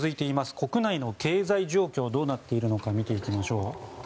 国内の経済状況がどうなっているのか見ていきましょう。